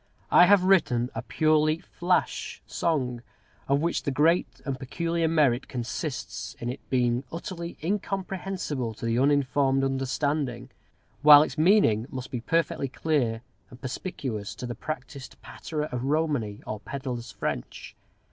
I have written a purely flash song, of which the great and peculiar merit consists in its being utterly incomprehensible to the uninformed understanding, while its meaning must be perfectly clear and perspicuous to the practised patterer of Romany, or Pedlar's French.